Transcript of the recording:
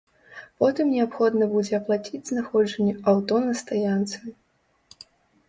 Потым неабходна будзе аплаціць знаходжанне аўто на стаянцы.